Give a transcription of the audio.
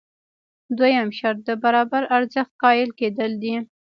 دویم شرط د برابر ارزښت قایل کېدل دي.